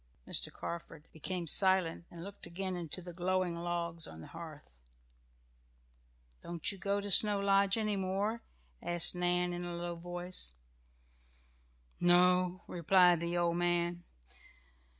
Mr. Carford became silent and looked again into the glowing logs on the hearth. "Don't you go to Snow Lodge any more?" asked Nan in a low voice. "No," replied the old man.